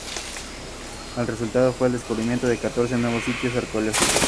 El resultado fue el descubrimiento de catorce nuevos sitios arqueológicos.